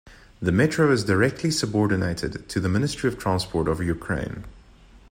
The metro is directly subordinated to the Ministry of Transport of Ukraine.